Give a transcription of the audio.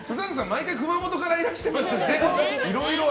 毎回熊本からいらしていましたので。